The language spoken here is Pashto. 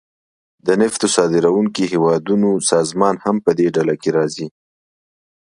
د نفتو صادرونکو هیوادونو سازمان هم پدې ډله کې راځي